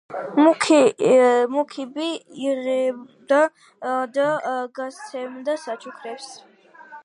მუქიბი იღებდა და გასცემდა საჩუქრებს.